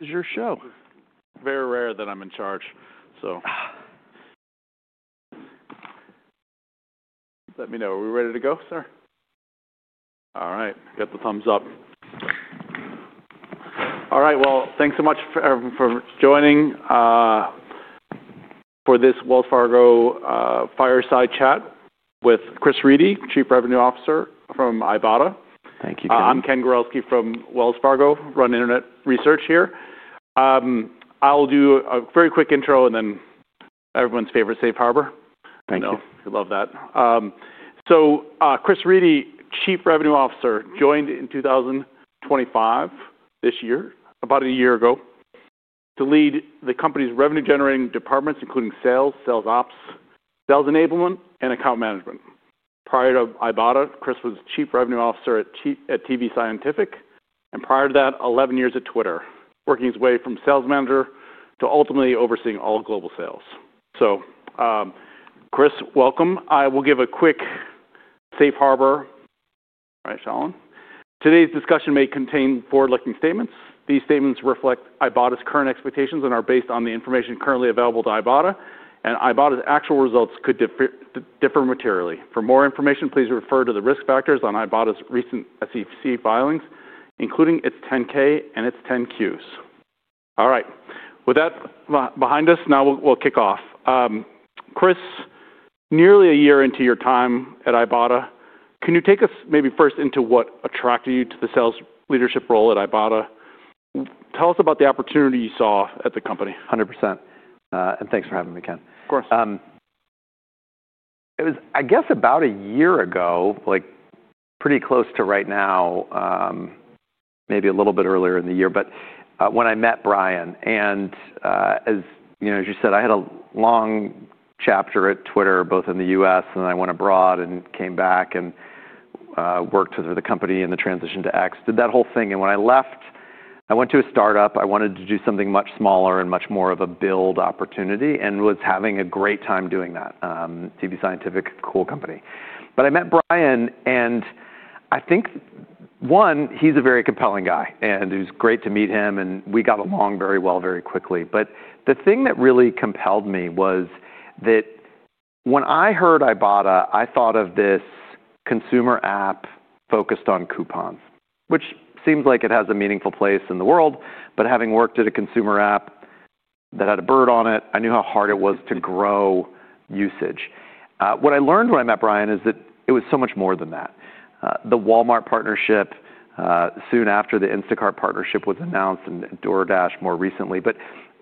Is this your show? Very rare that I'm in charge, so. Let me know. Are we ready to go, sir? All right. Got the thumbs up. All right. Thanks so much for joining for this Wells Fargo fireside chat with Chris Riedy, Chief Revenue Officer from Ibotta. Thank you, Ken. I'm Ken Gawrelski from Wells Fargo, run Internet research here. I'll do a very quick intro and then everyone's favorite Safe Harbor. Thank you. You know, you love that. Chris Riedy, Chief Revenue Officer, joined in 2025, this year, about a year ago, to lead the company's revenue-generating departments, including sales, sales ops, sales enablement, and account management. Prior to Ibotta, Chris was Chief Revenue Officer at TV Scientific, and prior to that, 11 years at Twitter, working his way from sales manager to ultimately overseeing all global sales. Chris, welcome. I will give a quick Safe Harbor. All right, Shalin. Today's discussion may contain forward-looking statements. These statements reflect Ibotta's current expectations and are based on the information currently available to Ibotta, and Ibotta's actual results could differ materially. For more information, please refer to the risk factors on Ibotta's recent SEC filings, including its 10-K and its 10-Qs. All right. With that behind us, now we'll kick off. Chris, nearly a year into your time at Ibotta, can you take us maybe first into what attracted you to the sales leadership role at Ibotta? Tell us about the opportunity you saw at the company. 100%. And thanks for having me, Ken. Of course. It was, I guess, about a year ago, like, pretty close to right now, maybe a little bit earlier in the year, but, when I met Bryan. And, as, you know, as you said, I had a long chapter at Twitter, both in the U.S., and then I went abroad and came back and, worked with the company in the transition to X. Did that whole thing. And when I left, I went to a startup. I wanted to do something much smaller and much more of a build opportunity and was having a great time doing that, TV Scientific, cool company. But I met Bryan, and I think, one, he's a very compelling guy, and it was great to meet him, and we got along very well, very quickly. The thing that really compelled me was that when I heard Ibotta, I thought of this Consumer App focused on coupons, which seems like it has a meaningful place in the world, but having worked at a Consumer App that had a bird on it, I knew how hard it was to grow usage. What I learned when I met Bryan is that it was so much more than that. The Walmart partnership, soon after the Instacart partnership was announced and DoorDash more recently, but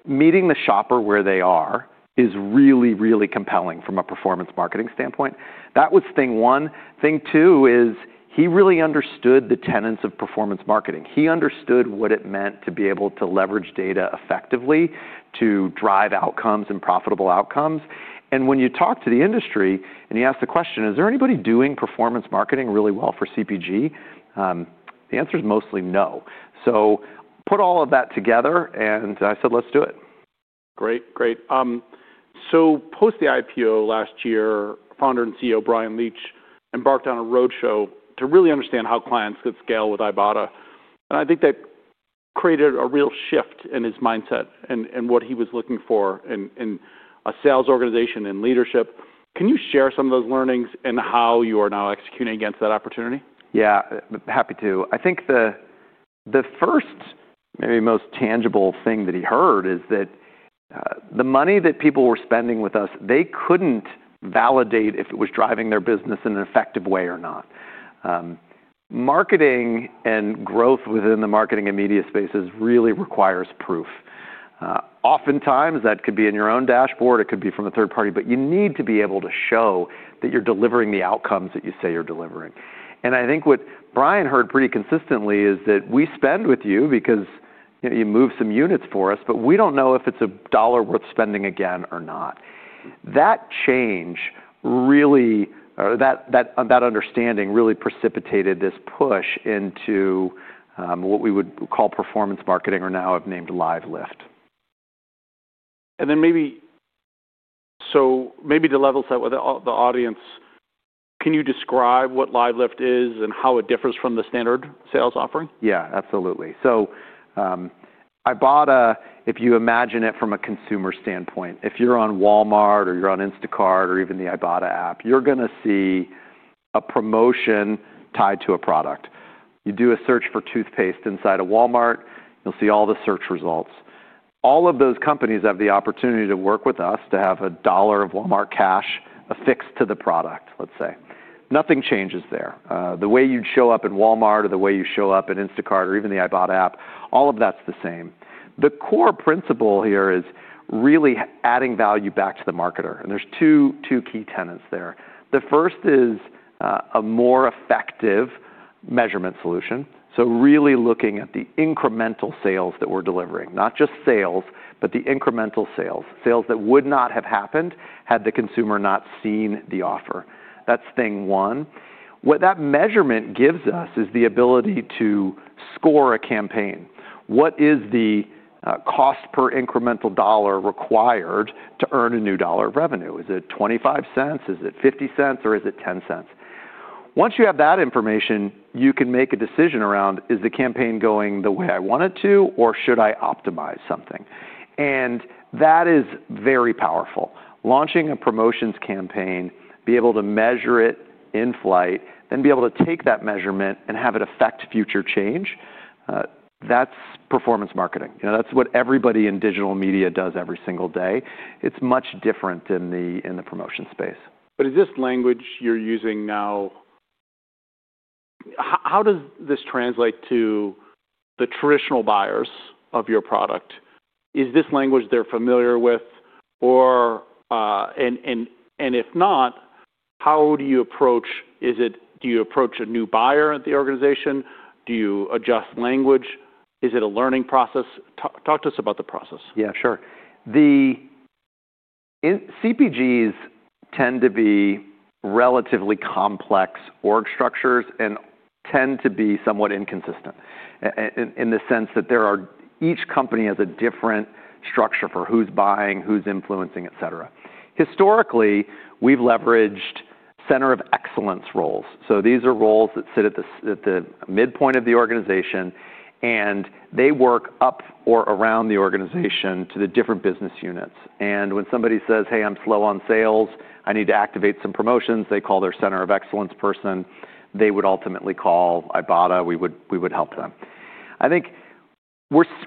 meeting the shopper where they are is really, really compelling from a performance marketing standpoint. That was thing one. Thing two is he really understood the tenets of performance marketing. He understood what it meant to be able to leverage data effectively to drive outcomes and profitable outcomes. When you talk to the industry and you ask the question, "Is there anybody doing performance marketing really well for CPG?" the answer's mostly no. Put all of that together, and I said, "Let's do it. Great. Great. Post the IPO last year, Founder and CEO Bryan Leach embarked on a roadshow to really understand how clients could scale with Ibotta. I think that created a real shift in his mindset and what he was looking for in a sales organization and leadership. Can you share some of those learnings and how you are now executing against that opportunity? Yeah. Happy to. I think the first, maybe most tangible thing that he heard is that the money that people were spending with us, they could not validate if it was driving their business in an effective way or not. Marketing and growth within the marketing and media spaces really requires proof. Oftentimes, that could be in your own dashboard. It could be from a third party, but you need to be able to show that you are delivering the outcomes that you say you are delivering. I think what Bryan heard pretty consistently is that we spend with you because, you know, you move some units for us, but we do not know if it is a dollar worth spending again or not. That change really or that understanding really precipitated this push into what we would call performance marketing or now have named Live Lift. Maybe to level set with the audience, can you describe what Live Lift is and how it differs from the standard sales offering? Yeah. Absolutely. Ibotta, if you imagine it from a consumer standpoint, if you're on Walmart or you're on Instacart or even the Ibotta App, you're gonna see a promotion tied to a product. You do a search for toothpaste inside of Walmart, you'll see all the search results. All of those companies have the opportunity to work with us to have a dollar of Walmart cash affixed to the product, let's say. Nothing changes there. The way you'd show up in Walmart or the way you show up at Instacart or even the Ibotta App, all of that's the same. The core principle here is really adding value back to the marketer. And there's two, two key tenets there. The first is, a more effective measurement solution. Really looking at the incremental sales that we're delivering, not just sales, but the incremental sales, sales that would not have happened had the consumer not seen the offer. That's thing one. What that measurement gives us is the ability to score a campaign. What is the cost per incremental dollar required to earn a new dollar of revenue? Is it $0.25? Is it$0.50? Or is it $0.10? Once you have that information, you can make a decision around, "Is the campaign going the way I want it to, or should I optimize something?" That is very powerful. Launching a promotions campaign, be able to measure it in flight, then be able to take that measurement and have it affect future change, that's performance marketing. You know, that's what everybody in digital media does every single day. It's much different in the promotion space. Is this language you're using now, how does this translate to the traditional buyers of your product? Is this language they're familiar with? If not, how do you approach, is it, do you approach a new buyer at the organization? Do you adjust language? Is it a learning process? Talk to us about the process. Yeah. Sure. The in CPGs tend to be relatively complex org structures and tend to be somewhat inconsistent, and in the sense that there are each company has a different structure for who's buying, who's influencing, etc. Historically, we've leveraged center of excellence roles. So these are roles that sit at the midpoint of the organization, and they work up or around the organization to the different business units. When somebody says, "Hey, I'm slow on sales. I need to activate some promotions," they call their center of excellence person. They would ultimately call Ibotta. We would help them. I think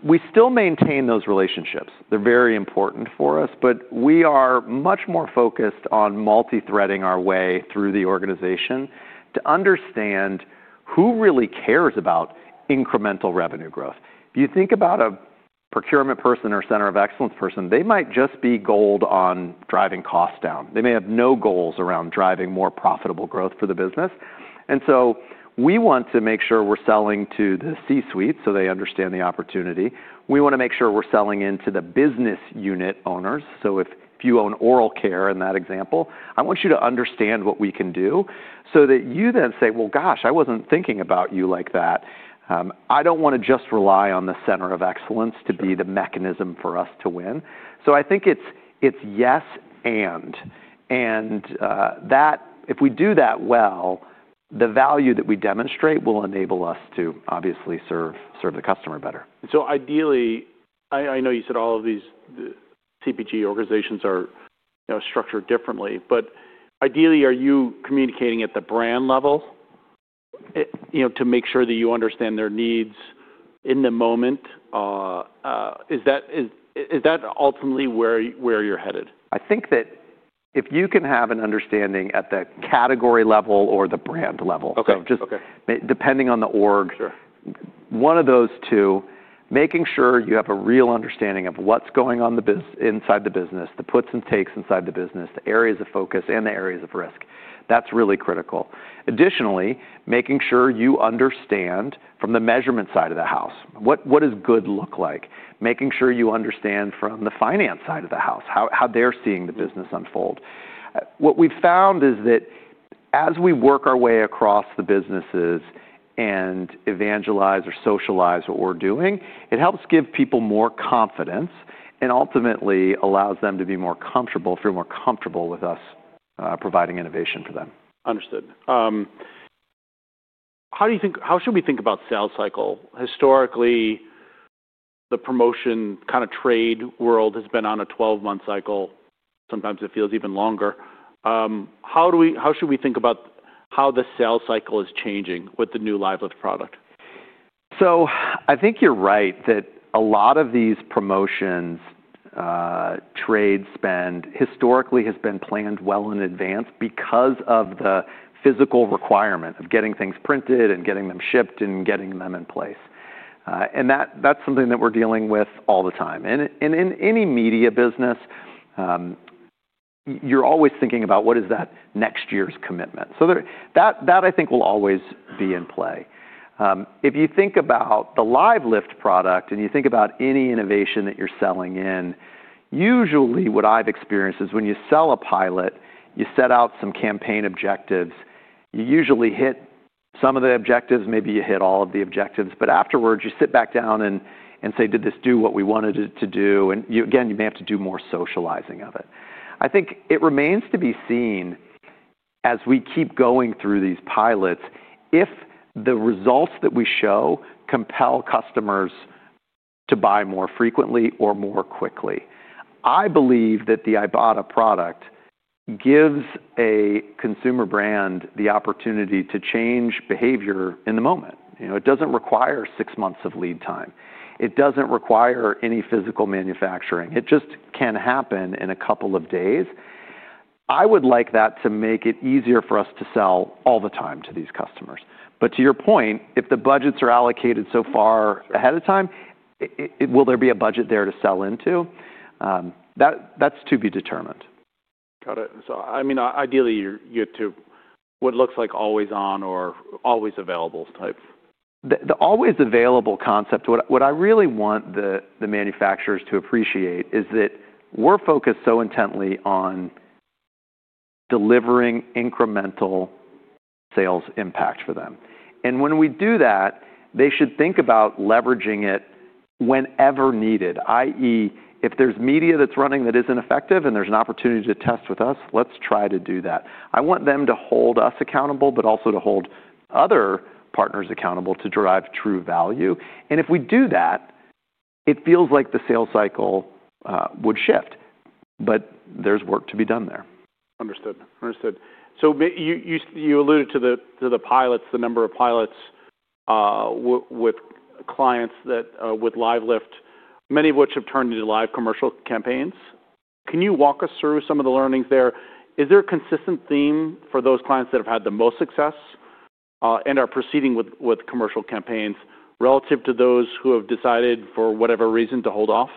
we still maintain those relationships. They're very important for us, but we are much more focused on multi-threading our way through the organization to understand who really cares about incremental revenue growth. If you think about a procurement person or center of excellence person, they might just be gold on driving costs down. They may have no goals around driving more profitable growth for the business. We want to make sure we're selling to the C-suite so they understand the opportunity. We wanna make sure we're selling into the business unit owners. If you own oral care in that example, I want you to understand what we can do so that you then say, "Well, gosh, I wasn't thinking about you like that." I don't wanna just rely on the center of excellence to be the mechanism for us to win. I think it's yes and. If we do that well, the value that we demonstrate will enable us to obviously serve, serve the customer better. Ideally, I know you said all of these CPG organizations are, you know, structured differently, but ideally, are you communicating at the brand level, you know, to make sure that you understand their needs in the moment? Is that ultimately where you're headed? I think that if you can have an understanding at the category level or the brand level. Okay. Just depending on the org. Sure. One of those two, making sure you have a real understanding of what's going on inside the business, the puts and takes inside the business, the areas of focus, and the areas of risk. That's really critical. Additionally, making sure you understand from the measurement side of the house, what does good look like? Making sure you understand from the finance side of the house, how they're seeing the business unfold. What we've found is that as we work our way across the businesses and evangelize or socialize what we're doing, it helps give people more confidence and ultimately allows them to be more comfortable, feel more comfortable with us, providing innovation for them. Understood. How do you think, how should we think about sales cycle? Historically, the promotion kinda trade world has been on a 12-month cycle. Sometimes it feels even longer. How do we, how should we think about how the sales cycle is changing with the new Live Lift product? I think you're right that a lot of these promotions, trade spend historically has been planned well in advance because of the physical requirement of getting things printed and getting them shipped and getting them in place. That's something that we're dealing with all the time. In any media business, you're always thinking about what is that next year's commitment. That, I think, will always be in play. If you think about the Live Lift product and you think about any innovation that you're selling in, usually what I've experienced is when you sell a pilot, you set out some campaign objectives. You usually hit some of the objectives. Maybe you hit all of the objectives, but afterwards you sit back down and say, "Did this do what we wanted it to do?" You may have to do more socializing of it. I think it remains to be seen as we keep going through these pilots if the results that we show compel customers to buy more frequently or more quickly. I believe that the Ibotta product gives a consumer brand the opportunity to change behavior in the moment. You know, it does not require six months of lead time. It does not require any physical manufacturing. It just can happen in a couple of days. I would like that to make it easier for us to sell all the time to these customers. To your point, if the budgets are allocated so far ahead of time, will there be a budget there to sell into? That, that's to be determined. Got it. I mean, ideally, you're to what looks like always-on or always-available type? The always-available concept, what I really want the manufacturers to appreciate is that we're focused so intently on delivering incremental sales impact for them. When we do that, they should think about leveraging it whenever needed, i.e., if there's media that's running that isn't effective and there's an opportunity to test with us, let's try to do that. I want them to hold us accountable, but also to hold other partners accountable to drive true value. If we do that, it feels like the sales cycle would shift, but there's work to be done there. Understood. Understood. You alluded to the pilots, the number of pilots with clients that, with Live Lift, many of which have turned into live commercial campaigns. Can you walk us through some of the learnings there? Is there a consistent theme for those clients that have had the most success, and are proceeding with commercial campaigns relative to those who have decided for whatever reason to hold off?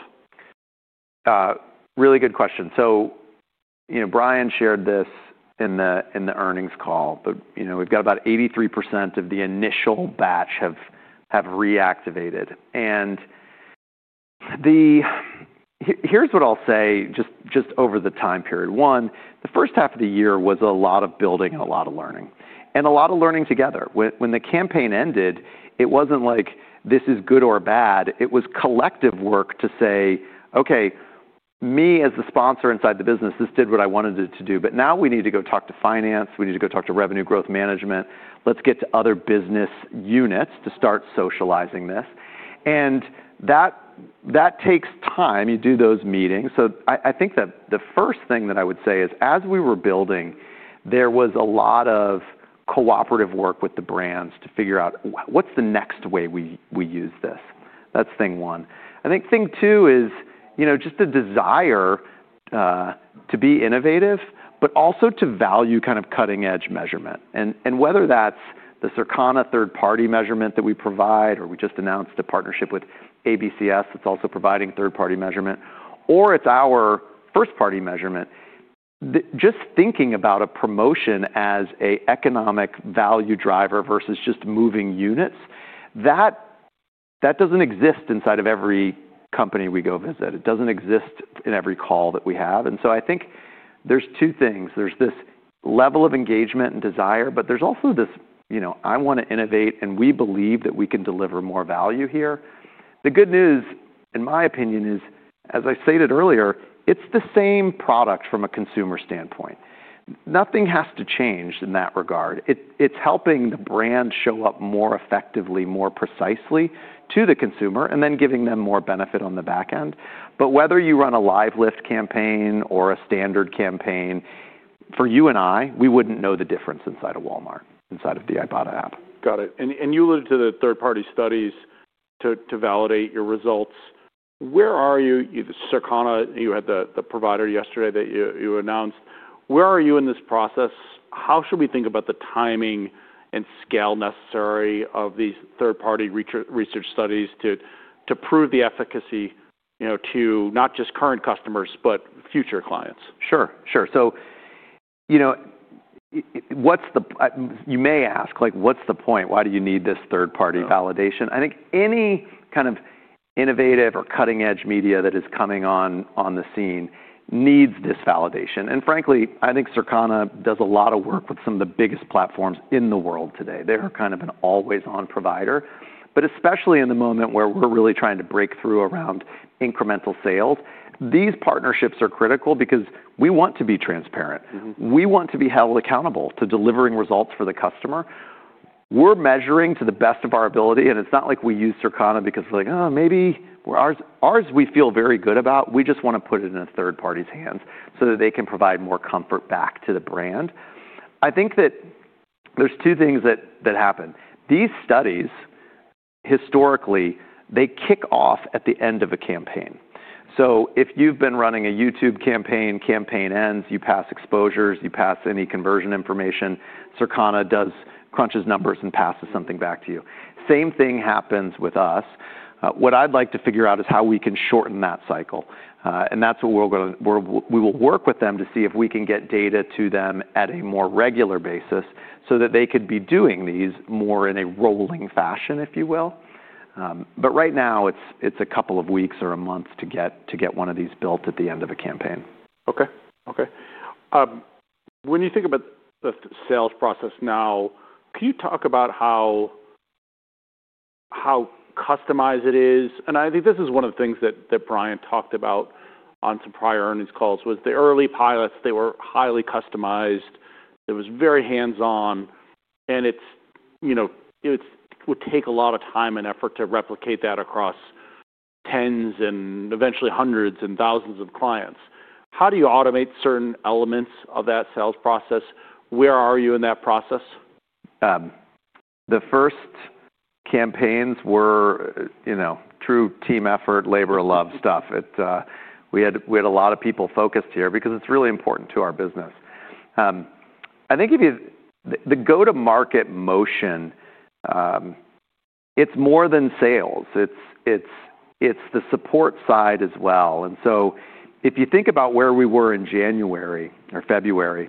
Really good question. You know, Bryan shared this in the earnings call, but we've got about 83% of the initial batch have reactivated. Here's what I'll say just over the time period. One, the first half of the year was a lot of building and a lot of learning and a lot of learning together. When the campaign ended, it wasn't like, "This is good or bad." It was collective work to say, "Okay. Me as the sponsor inside the business, this did what I wanted it to do, but now we need to go talk to finance. We need to go talk to revenue growth management. Let's get to other business units to start socializing this." That takes time. You do those meetings. I think that the first thing that I would say is as we were building, there was a lot of cooperative work with the brands to figure out what's the next way we use this. That's thing one. I think thing two is, you know, just the desire to be innovative, but also to value kind of cutting-edge measurement. And whether that's the Circana third-party measurement that we provide or we just announced a partnership with ABCS that's also providing third-party measurement, or it's our first-party measurement, just thinking about a promotion as an economic value driver versus just moving units, that does not exist inside of every company we go visit. It does not exist in every call that we have. I think there's two things. There's this level of engagement and desire, but there's also this, you know, "I wanna innovate, and we believe that we can deliver more value here." The good news, in my opinion, is, as I stated earlier, it's the same product from a consumer standpoint. Nothing has to change in that regard. It's helping the brand show up more effectively, more precisely to the consumer and then giving them more benefit on the back end. Whether you run a Live Lift campaign or a standard campaign, for you and I, we wouldn't know the difference inside of Walmart, inside of the Ibotta App. Got it. And you alluded to the third-party studies to validate your results. Where are you? You, the Circana, you had the provider yesterday that you announced. Where are you in this process? How should we think about the timing and scale necessary of these third-party research studies to prove the efficacy, you know, to not just current customers, but future clients? Sure. Sure. So, you know, what's the p you may ask, like, "What's the point? Why do you need this third-party validation?" I think any kind of innovative or cutting-edge media that is coming on, on the scene needs this validation. And frankly, I think Circana does a lot of work with some of the biggest platforms in the world today. They're kind of an always-on provider, but especially in the moment where we're really trying to break through around incremental sales. These partnerships are critical because we want to be transparent. Mm-hmm. We want to be held accountable to delivering results for the customer. We're measuring to the best of our ability. It's not like we use Circana because we're like, "Oh, maybe ours, ours we feel very good about. We just wanna put it in a third-party's hands so that they can provide more comfort back to the brand." I think that there's two things that happen. These studies, historically, they kick off at the end of a campaign. If you've been running a YouTube campaign, campaign ends, you pass exposures, you pass any conversion information, Circana does crunches numbers and passes something back to you. Same thing happens with us. What I'd like to figure out is how we can shorten that cycle. That's what we're gonna, we will work with them to see if we can get data to them at a more regular basis so that they could be doing these more in a rolling fashion, if you will. Right now, it's a couple of weeks or a month to get one of these built at the end of a campaign. Okay. Okay. When you think about the sales process now, can you talk about how customized it is? I think this is one of the things that Bryan talked about on some prior earnings calls was the early pilots. They were highly customized. It was very hands-on. It would take a lot of time and effort to replicate that across tens and eventually hundreds and thousands of clients. How do you automate certain elements of that sales process? Where are you in that process? The first campaigns were, you know, true team effort, labor-love stuff. We had a lot of people focused here because it's really important to our business. I think if you, the go-to-market motion, it's more than sales. It's the support side as well. If you think about where we were in January or February,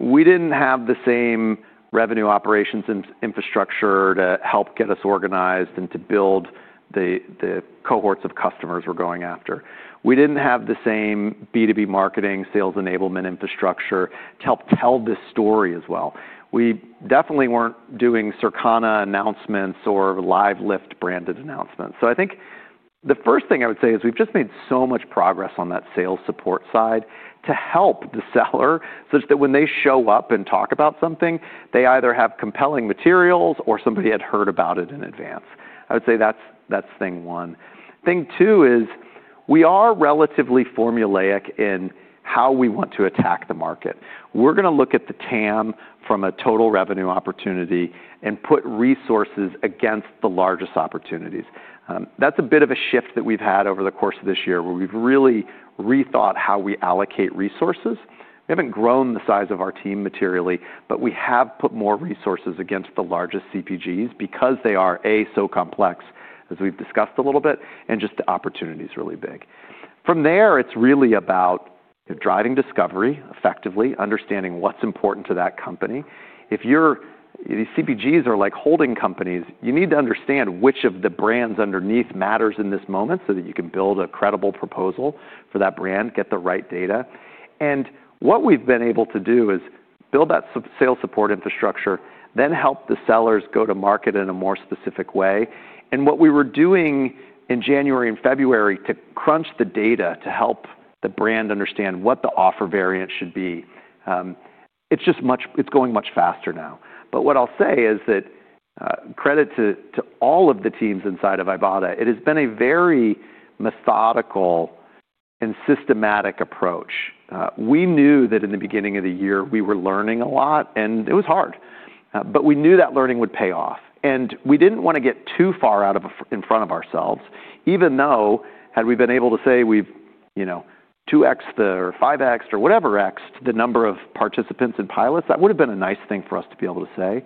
we didn't have the same revenue operations infrastructure to help get us organized and to build the cohorts of customers we're going after. We didn't have the same B2B marketing, sales enablement infrastructure to help tell this story as well. We definitely weren't doing Circana announcements or Live Lift branded announcements. I think the first thing I would say is we've just made so much progress on that sales support side to help the seller such that when they show up and talk about something, they either have compelling materials or somebody had heard about it in advance. I would say that's, that's thing one. Thing two is we are relatively formulaic in how we want to attack the market. We're gonna look at the TAM from a total revenue opportunity and put resources against the largest opportunities. That's a bit of a shift that we've had over the course of this year where we've really rethought how we allocate resources. We haven't grown the size of our team materially, but we have put more resources against the largest CPGs because they are A, so complex, as we've discussed a little bit, and just the opportunity's really big. From there, it's really about driving discovery effectively, understanding what's important to that company. If you're these CPGs are like holding companies, you need to understand which of the brands underneath matters in this moment so that you can build a credible proposal for that brand, get the right data. What we've been able to do is build that sales support infrastructure, then help the sellers go to market in a more specific way. What we were doing in January and February to crunch the data to help the brand understand what the offer variant should be, it's just much, it's going much faster now. What I'll say is that, credit to all of the teams inside of Ibotta, it has been a very methodical and systematic approach. We knew that in the beginning of the year, we were learning a lot, and it was hard. We knew that learning would pay off. We did not wanna get too far out in front of ourselves, even though had we been able to say we have, you know, 2x'd or 5x'd or whatever x'd the number of participants and pilots, that would have been a nice thing for us to be able to say.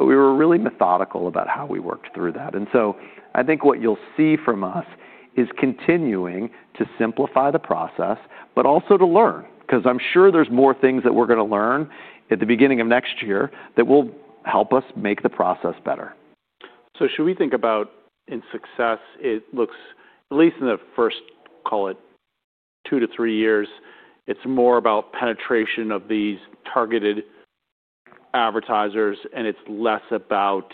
We were really methodical about how we worked through that. I think what you will see from us is continuing to simplify the process, but also to learn because I am sure there are more things that we are gonna learn at the beginning of next year that will help us make the process better. Should we think about in success, it looks at least in the first, call it two to three years, it's more about penetration of these targeted advertisers, and it's less about,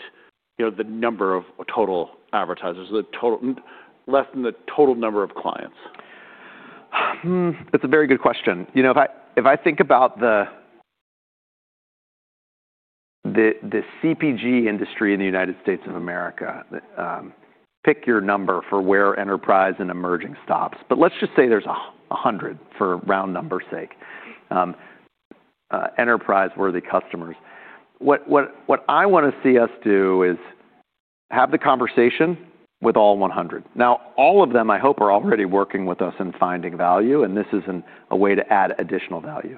you know, the number of total advertisers, the total less than the total number of clients? That's a very good question. You know, if I think about the CPG industry in the United States of America, pick your number for where enterprise and emerging stops, but let's just say there's 100 for round numbers' sake, enterprise-worthy customers. What I wanna see us do is have the conversation with all 100. Now, all of them, I hope, are already working with us and finding value, and this is a way to add additional value.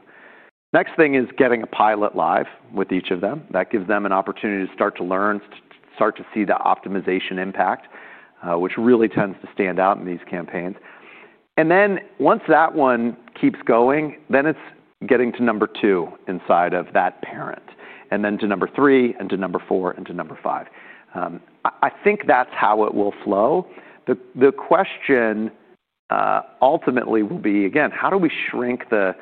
Next thing is getting a pilot live with each of them. That gives them an opportunity to start to learn, to start to see the optimization impact, which really tends to stand out in these campaigns. Once that one keeps going, then it is getting to number two inside of that parent, and then to number three, and to number four, and to number five. I think that is how it will flow. The question ultimately will be, again, how do we shrink the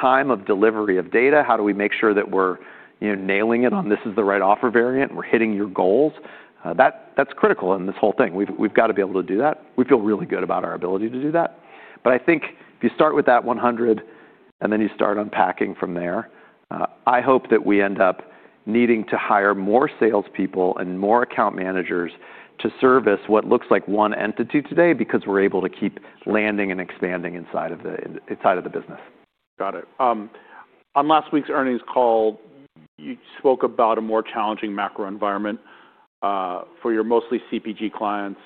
time of delivery of data? How do we make sure that we are, you know, nailing it on this is the right offer variant and we are hitting your goals? That is critical in this whole thing. We have got to be able to do that. We feel really good about our ability to do that. I think if you start with that 100 and then you start unpacking from there, I hope that we end up needing to hire more salespeople and more account managers to service what looks like one entity today because we're able to keep landing and expanding inside of the inside of the business. Got it. On last week's earnings call, you spoke about a more challenging macro environment for your mostly CPG clients.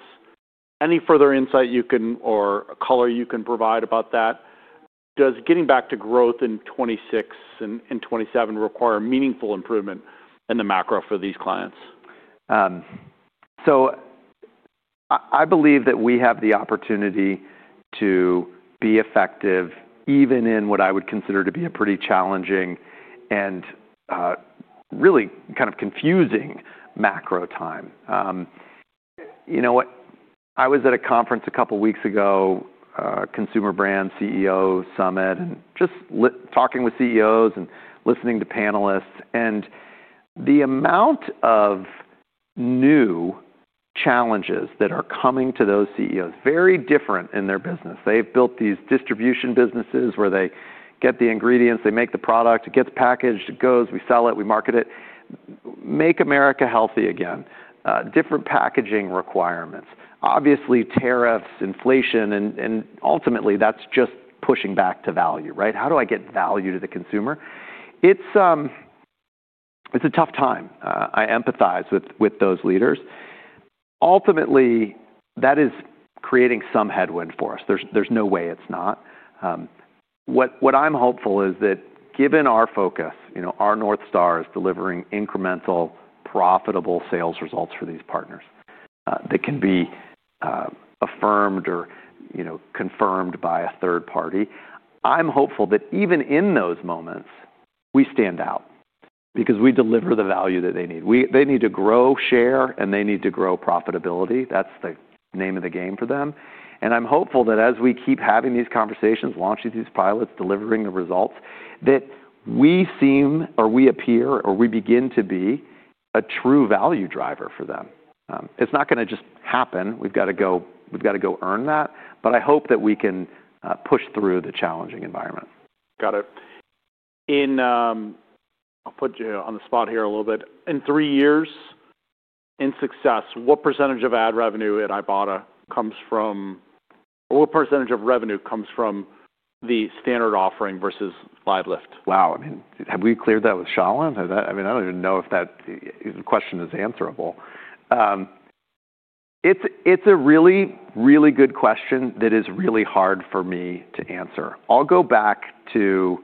Any further insight you can or color you can provide about that? Does getting back to growth in 2026 and 2027 require meaningful improvement in the macro for these clients? I believe that we have the opportunity to be effective even in what I would consider to be a pretty challenging and really kind of confusing macro time. You know, I was at a conference a couple weeks ago, Consumer Brand CEO Summit, and just talking with CEOs and listening to panelists. The amount of new challenges that are coming to those CEOs, very different in their business. They have built these distribution businesses where they get the ingredients, they make the product, it gets packaged, it goes, we sell it, we market it, make America healthy again, different packaging requirements, obviously tariffs, inflation, and ultimately that is just pushing back to value, right? How do I get value to the consumer? It is a tough time. I empathize with those leaders. Ultimately, that is creating some headwind for us. There is no way it is not. What I'm hopeful is that given our focus, you know, our North Star is delivering incremental profitable sales results for these partners, that can be affirmed or, you know, confirmed by a third party. I'm hopeful that even in those moments, we stand out because we deliver the value that they need. They need to grow share, and they need to grow profitability. That's the name of the game for them. I'm hopeful that as we keep having these conversations, launching these pilots, delivering the results, that we seem or we appear or we begin to be a true value driver for them. It's not gonna just happen. We've gotta go earn that. I hope that we can push through the challenging environment. Got it. I'll put you on the spot here a little bit. In three years in success, what percentage of ad revenue at Ibotta comes from or what percentage of revenue comes from the standard offering versus Live Lift? Wow. I mean, have we cleared that with Shalin? Or that, I mean, I do not even know if that question is answerable. It's a really, really good question that is really hard for me to answer. I'll go back to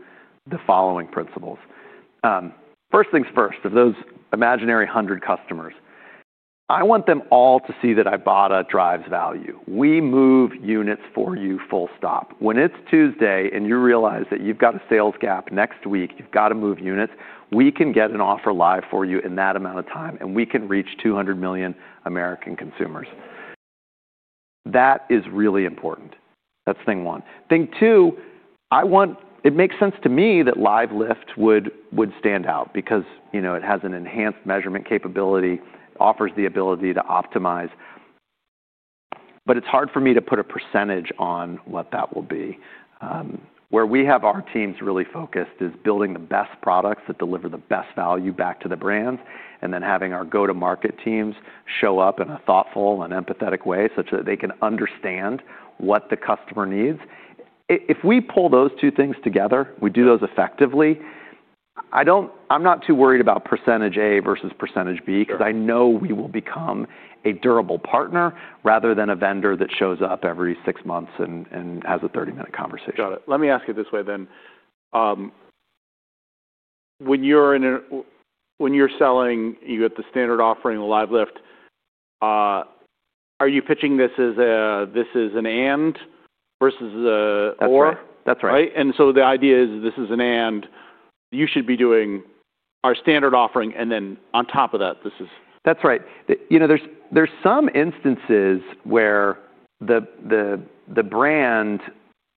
the following principles. First things first, of those imaginary 100 customers, I want them all to see that Ibotta drives value. We move units for you, full stop. When it's Tuesday and you realize that you've got a sales gap next week, you've got to move units, we can get an offer live for you in that amount of time, and we can reach 200 million American consumers. That is really important. That's thing one. Thing two, I want, it makes sense to me that Live Lift would stand out because, you know, it has an enhanced measurement capability, offers the ability to optimize. It's hard for me to put a percentage on what that will be. Where we have our teams really focused is building the best products that deliver the best value back to the brands and then having our go-to-market teams show up in a thoughtful and empathetic way such that they can understand what the customer needs. If we pull those two things together, we do those effectively, I do not, I'm not too worried about percentage A versus percentage B 'cause I know we will become a durable partner rather than a vendor that shows up every six months and has a 30-minute conversation. Got it. Let me ask it this way then. When you're in a, when you're selling, you got the standard offering of Live Lift, are you pitching this as a, this is an and versus a or? That's right. That's right. Right? The idea is this is an and you should be doing our standard offering, and then on top of that, this is. That's right. You know, there's some instances where the brand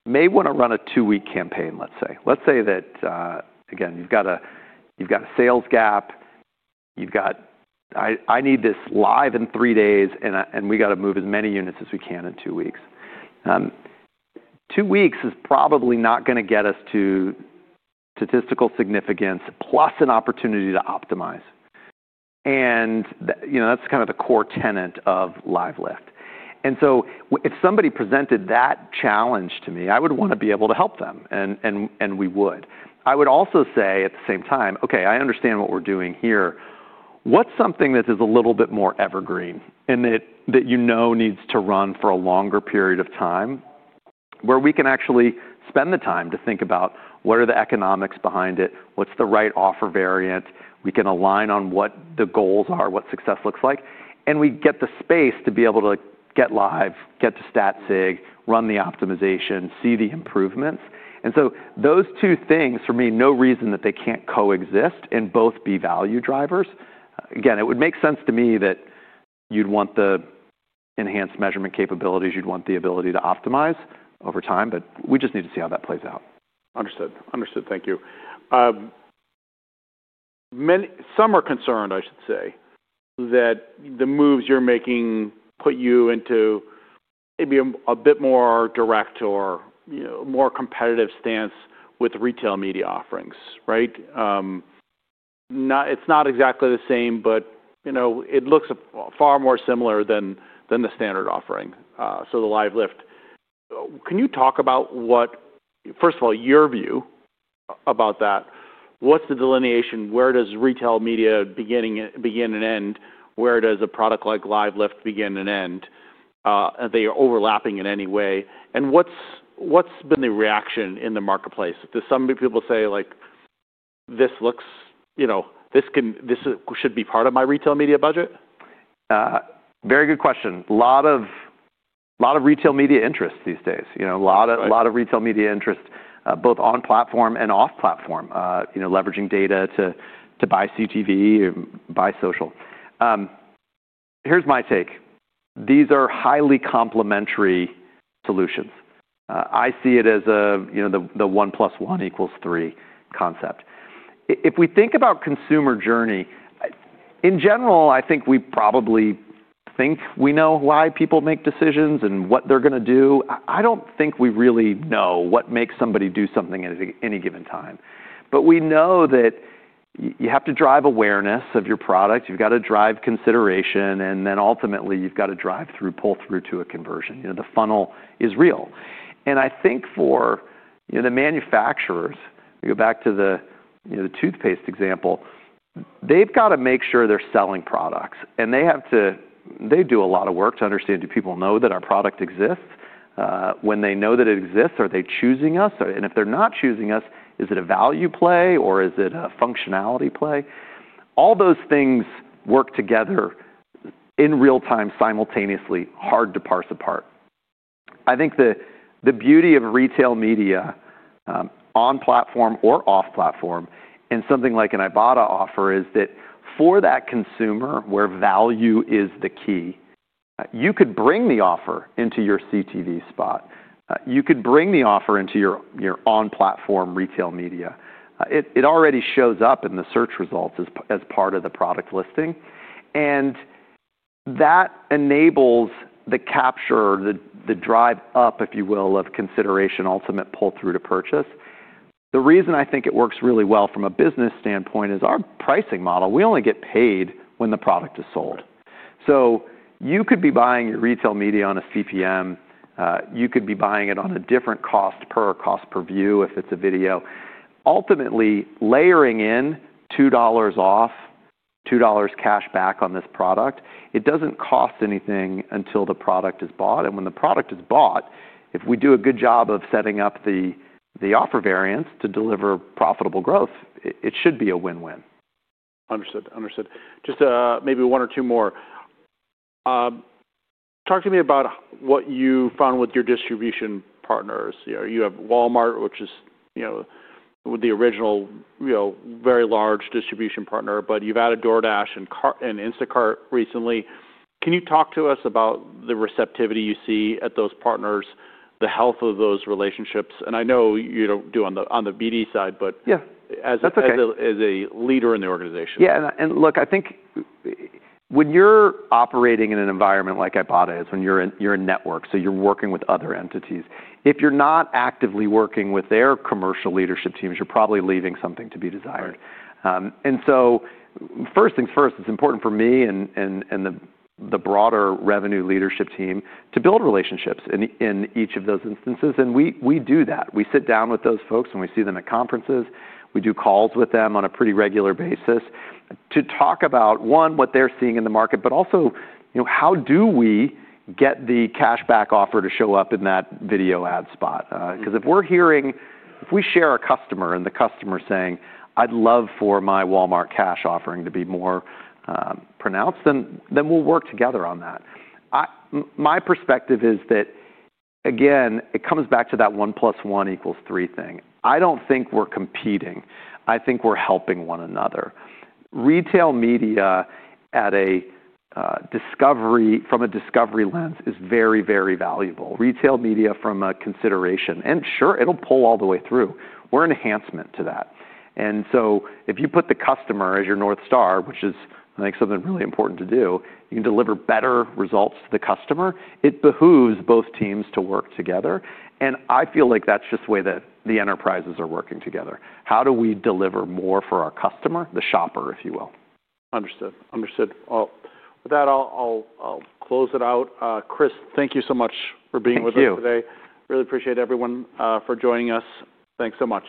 may wanna run a two-week campaign, let's say. Let's say that, again, you've got a sales gap. You've got, I need this live in three days, and we gotta move as many units as we can in two weeks. Two weeks is probably not gonna get us to statistical significance plus an opportunity to optimize. And that, you know, that's kind of the core tenet of Live Lift. If somebody presented that challenge to me, I would wanna be able to help them, and we would. I would also say at the same time, "Okay, I understand what we're doing here. What's something that is a little bit more evergreen and that, that you know needs to run for a longer period of time where we can actually spend the time to think about what are the economics behind it, what's the right offer variant, we can align on what the goals are, what success looks like, and we get the space to be able to get live, get to stat SIG, run the optimization, see the improvements? Those two things, for me, no reason that they can't coexist and both be value drivers. Again, it would make sense to me that you'd want the enhanced measurement capabilities, you'd want the ability to optimize over time, but we just need to see how that plays out. Understood. Understood. Thank you. Some are concerned, I should say, that the moves you're making put you into maybe a bit more direct or, you know, more competitive stance with retail media offerings, right? It's not exactly the same, but, you know, it looks far more similar than the standard offering, so the Live Lift. Can you talk about what, first of all, your view about that? What's the delineation? Where does retail media begin and end? Where does a product like Live Lift begin and end? Are they overlapping in any way? What's been the reaction in the marketplace? Do some people say, like, "This looks, you know, this can, this should be part of my retail media budget"? Very good question. Lot of retail media interest these days. You know, a lot of retail media interest, both on platform and off platform, you know, leveraging data to buy CTV or buy social. Here's my take. These are highly complementary solutions. I see it as the, you know, the one plus one equals three concept. If we think about consumer journey, in general, I think we probably think we know why people make decisions and what they're gonna do. I, I don't think we really know what makes somebody do something at any given time. But we know that you have to drive awareness of your product, you've gotta drive consideration, and then ultimately you've gotta drive through, pull through to a conversion. You know, the funnel is real. I think for, you know, the manufacturers, we go back to the, you know, the toothpaste example, they've gotta make sure they're selling products, and they have to do a lot of work to understand, do people know that our product exists? When they know that it exists, are they choosing us? And if they're not choosing us, is it a value play or is it a functionality play? All those things work together in real time simultaneously, hard to parse apart. I think the beauty of retail media, on platform or off platform, and something like an Ibotta offer is that for that consumer where value is the key, you could bring the offer into your CTV spot. You could bring the offer into your on-platform retail media. It already shows up in the search results as part of the product listing. That enables the capture or the drive up, if you will, of consideration, ultimate pull through to purchase. The reason I think it works really well from a business standpoint is our pricing model, we only get paid when the product is sold. You could be buying your retail media on a CPM. You could be buying it on a different cost per cost per view if it is a video. Ultimately, layering in $2 off, $2 cash back on this product, it does not cost anything until the product is bought. When the product is bought, if we do a good job of setting up the offer variants to deliver profitable growth, it should be a win-win. Understood. Understood. Just, maybe one or two more. Talk to me about what you found with your distribution partners. You know, you have Walmart, which is, you know, the original, you know, very large distribution partner, but you've added DoorDash and Circana and Instacart recently. Can you talk to us about the receptivity you see at those partners, the health of those relationships? I know you don't do on the on the BD side, but. Yeah. That's okay. As a leader in the organization. Yeah. And look, I think when you're operating in an environment like Ibotta is, when you're in network, so you're working with other entities, if you're not actively working with their commercial leadership teams, you're probably leaving something to be desired. First things first, it's important for me and the broader revenue leadership team to build relationships in each of those instances. We do that. We sit down with those folks when we see them at conferences. We do calls with them on a pretty regular basis to talk about, one, what they're seeing in the market, but also, you know, how do we get the cash-back offer to show up in that video ad spot? 'Cause if we're hearing if we share a customer and the customer's saying, "I'd love for my Walmart cash offering to be more, pronounced," then we'll work together on that. My perspective is that, again, it comes back to that one plus one equals three thing. I don't think we're competing. I think we're helping one another. Retail media at a, discovery from a discovery lens is very, very valuable. Retail media from a consideration. Sure, it'll pull all the way through. We're an enhancement to that. If you put the customer as your North Star, which is, I think, something really important to do, you can deliver better results to the customer, it behooves both teams to work together. I feel like that's just the way that the enterprises are working together. How do we deliver more for our customer, the shopper, if you will? Understood. Understood. With that, I'll close it out. Chris, thank you so much for being with us today. Thank you. Really appreciate everyone for joining us. Thanks so much.